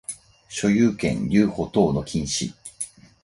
所有権留保等の禁止